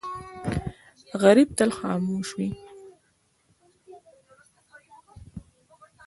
غریب تل خاموش وي